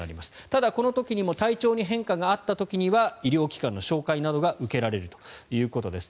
ただ、この時にも体調に変化があった時には医療機関の紹介などが受けられるということです。